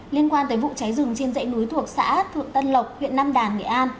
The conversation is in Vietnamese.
liên quan tới vụ cháy rừng trên dãy núi thuộc xã thượng tân lộc huyện nam đàn nghệ an